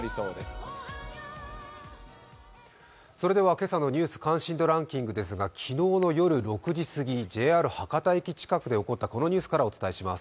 今朝のニュース、関心度ランキングですが、昨日の夜６時すぎ、ＪＲ博多駅近くで起こったこのニュースからお伝えします。